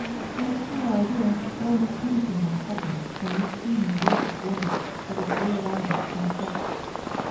He had a queer idea that almost anything might happen in this seeming waste of waters at this weird hour of ten o'clock.